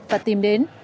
và tìm đến